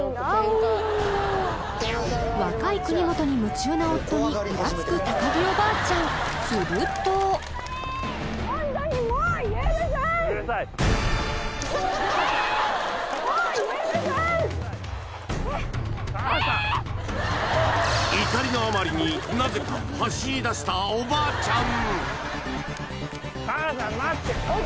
若い国本に夢中な夫にイラつく木おばあちゃんするとうるさい怒りのあまりになぜか走りだしたおばあちゃん